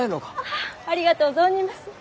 ああありがとう存じます。